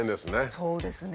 そうですね。